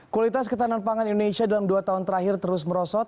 kualitas ketahanan pangan indonesia dalam dua tahun terakhir terus merosot